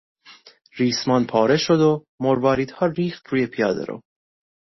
ریسمان پاره شد و مرواریدها ریخت روی پیادهرو.